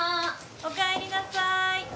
・おかえりなさい。